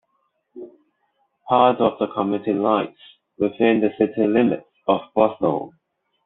Part of the community lies within the city limits of Bothell.